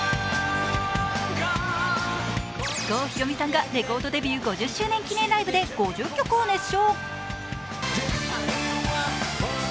郷ひろみさんがレコードデビュー５０周年ライブで５０曲を熱唱。